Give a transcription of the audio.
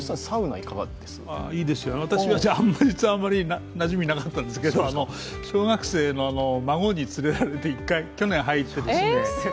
私はあまりなじみはなかったんですけど、小学生の孫に連れられて、去年１回入って。